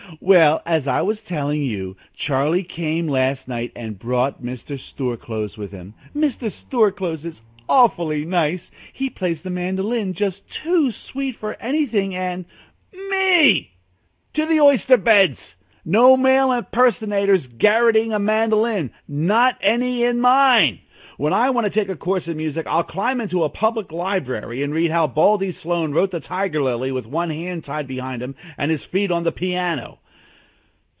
Well, as I was telling you, Charlie came last night and brought Mr. Storeclose with him. Mr. Storeclose is awfully nice. He plays the mandolin just too sweet for anything, and " Me! to the oyster beds! No male impersonators garroting a mandolin not any in mine! When I want to take a course in music I'll climb into a public library and read how Baldy Sloane wrote the Tiger Lily with one hand tied behind him and his feet on the piano.